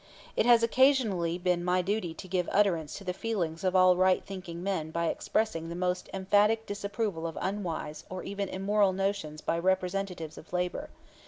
It has occasionally been my duty to give utterance to the feelings of all right thinking men by expressing the most emphatic disapproval of unwise or even immoral notions by representatives of labor.